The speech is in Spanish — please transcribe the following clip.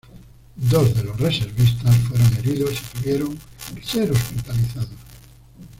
Dos de los reservistas fueron heridos y tuvieron que ser hospitalizados.